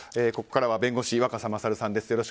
ここからは弁護士の若狭勝さんです。